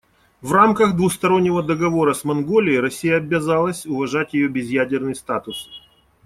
В рамках двустороннего договора с Монголией Россия обязалась уважать ее безъядерный статус.